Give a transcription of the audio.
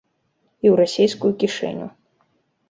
І ў расейскую кішэню.